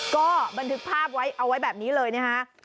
ก็บันทึกภาพไว้เอาไว้แบบนี้เลยนะคะ